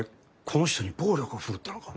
この人に暴力を振るったのか？